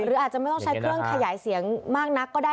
หรืออาจจะไม่ต้องใช้เครื่องขยายเสียงมากนักก็ได้